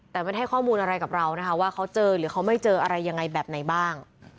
แต่ไม่ได้ให้ข้อมูลอะไรกับเรานะคะว่าเขาเจอหรือเขาไม่เจออะไรยังไงแบบไหนบ้าง